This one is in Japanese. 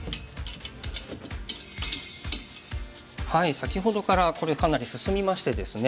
先ほどからこれかなり進みましてですね